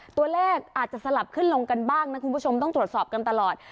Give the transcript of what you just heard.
ตัวเลขอาจจะสลับขึ้นลงกันบ้างนะคุณผู้ชมต้องตรวจสอบกันตลอด